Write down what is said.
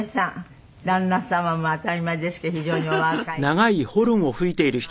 旦那様も当たり前ですけど非常にお若いっていうかね。